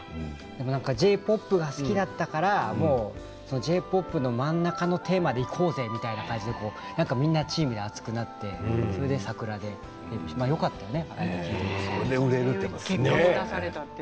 Ｊ−ＰＯＰが好きだったからその真ん中のテーマでいこうぜってみんなチームで熱くなってそれで「ＳＡＫＵＲＡ」でよかったね。